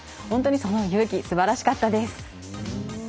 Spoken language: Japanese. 本当に、その勇気すばらしかったです。